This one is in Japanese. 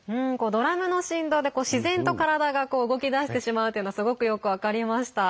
ドラムの振動で自然と体が動き出してしまうというのがすごくよく分かりました。